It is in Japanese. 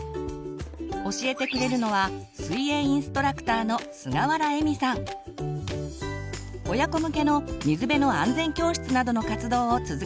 教えてくれるのは親子向けの水辺の安全教室などの活動を続けています。